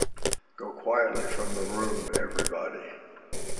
Go quietly from the room, everybody.